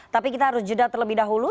tapi kita harus jeda terlebih dahulu